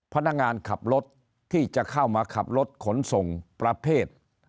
พนักงานขับรถที่จะเข้ามาขับรถขนส่งประเภท